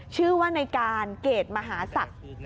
ชื่อว่าในการเกรดมหาศักดิ์